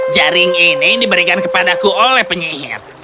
jaring ini diberikan kepadaku oleh penyihir